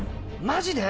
マジで？